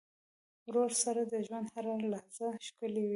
ورور سره د ژوند هره لحظه ښکلي وي.